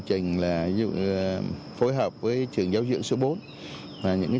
doanh nghiệp cho fuss của giới tài liệuign